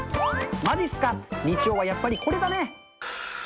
まじっすか、日曜はやっぱりこれだね。